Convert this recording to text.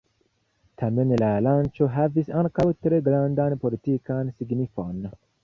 Tamen la lanĉo havis ankaŭ tre grandan politikan signifon.